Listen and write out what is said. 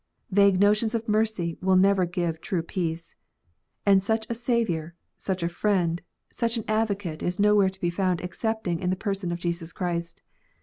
Vague notions of mercy will never give true peace. And such a Saviour, such a Friend, such an Advocate is nowhere to be found excepting in the person of Jesus Christ.